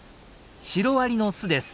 シロアリの巣です。